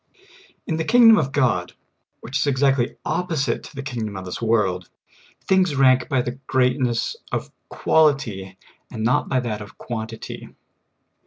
IN the kingdom of God, which is exactly opposite to the kingdom of this world, things rank by the greatness of quality, and not by that of quantity.